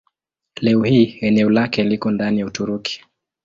Leo hii eneo lake liko ndani ya Uturuki.